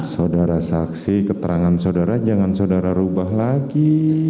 saudara saksi keterangan saudara jangan saudara rubah lagi